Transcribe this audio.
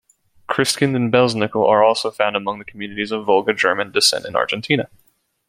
Christkind and Belsnickel are also found among communities of Volga German descent in Argentina.